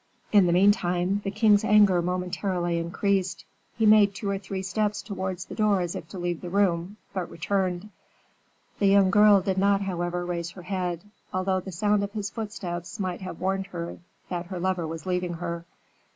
In the meantime the king's anger momentarily increased; he made two or three steps towards the door as if to leave the room, but returned. The young girl did not, however, raise her head, although the sound of his footsteps might have warned her that her lover was leaving her.